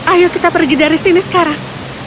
ayo kita pergi dari sini sekarang